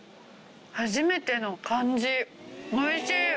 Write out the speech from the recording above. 初めての感じおいしい！